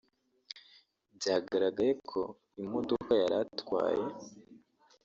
*Byagaragaye ko imodoka yari atwaye